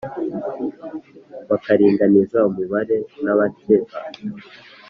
bakaringaniza umubaré n abakemba